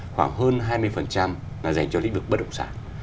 khoảng hơn hai mươi là dành cho lĩnh vực bất động sản